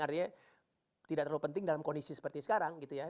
artinya tidak terlalu penting dalam kondisi seperti sekarang gitu ya